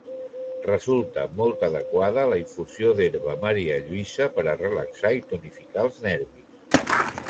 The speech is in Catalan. Resulta molt adequada la infusió d'herba marialluïsa per a relaxar i tonificar els nervis.